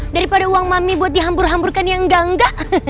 daripada uang mami buat dihambur hamburkan yang nggak nggak